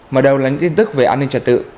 mở đầu là những tin tức về an ninh trật tự